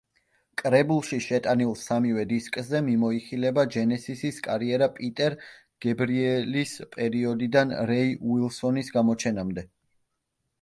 კრებულში შეტანილ სამივე დისკზე მიმოიხილება ჯენესისის კარიერა პიტერ გებრიელის პერიოდიდან რეი უილსონის გამოჩენამდე.